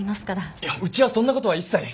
いやうちはそんなことは一切。